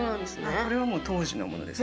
これは当時のものです。